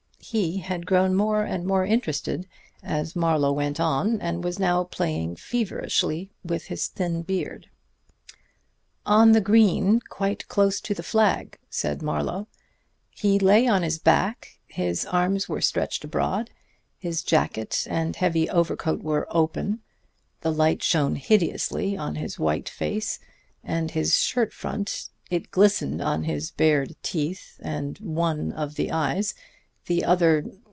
He had grown more and more interested as Marlowe went on, and was now playing feverishly with his thin beard. "On the green, quite close to the flag," said Marlowe. "He lay on his back, his arms were stretched abroad, his jacket and heavy overcoat were open; the light shone hideously on his white face and his shirt front; it glistened on his bared teeth and one of the eyes. The other